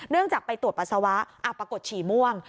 เนื่องจากไปตรวจปัสสาวะอับปรากฏฉี่ม่วง